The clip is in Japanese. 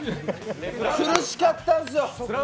苦しかったんすよ。